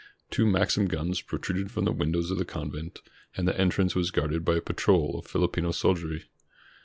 Two Maxim guns protruded from the windows of the convent, and the entrance was guarded by a patrol of Filipino soldiery.